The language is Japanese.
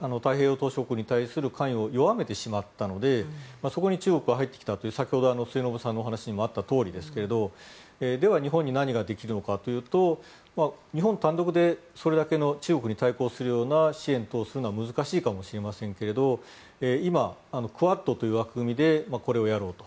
島しょ国に関与を弱めてしまったのでそこに中国が入ってきたという先ほど末延さんのお話にもあったとおりですがでは日本に何ができるかというと日本単独でそれだけの中国に対抗するような支援等をするのは難しいかもしれませんが今、クアッドという枠組みでこれをやろうと。